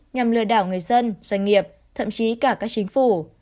nhằm lừa đảo người dân doanh nghiệp thậm chí cả các chính phủ